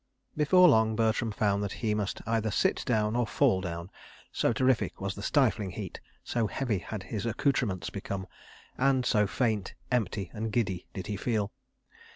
... Before long, Bertram found that he must either sit down or fall down, so terrific was the stifling heat, so heavy had his accoutrements become, and so faint, empty and giddy did he feel.